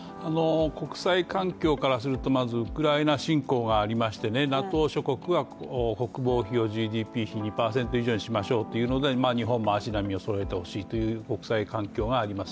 国際環境からするとまずウクライナ侵攻がありましてＮＡＴＯ諸国が国防費をＧＤＰ比２％以上にしましょうという日本も足並みをそろえてほしいという国際環境があります。